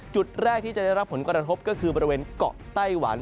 จุดแรกที่จะได้รับผลกระทบก็คือบริเวณเกาะไต้หวัน